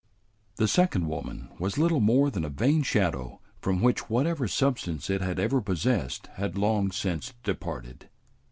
The second woman was little more than a vain shadow from which whatever substance it had ever possessed had long since departed.